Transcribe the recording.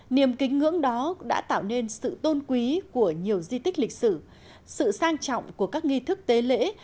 niềm kính ngưỡng đó đã tạo nên sự tôn quý của nhiều di tích lịch sử sự sang trọng của các nghi thức tế lễ